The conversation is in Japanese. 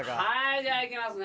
じゃあ行きますね